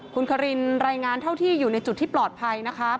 คุณคารินรายงานเท่าที่อยู่ในจุดที่ปลอดภัยนะคะ